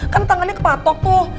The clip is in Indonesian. kan tangannya kepatok tuh